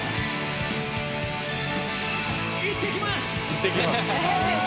いってきます！